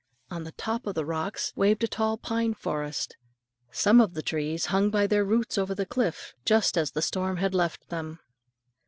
On the top of the rocks waved a tall pine forest; some of the trees hung by their roots over the cliff just as the storm had left them.